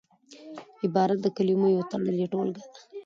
عبارت د کلمو یو تړلې ټولګه ده.